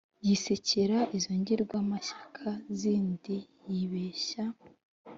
yisekera izo ngirwa mashyaka zindi yibeshya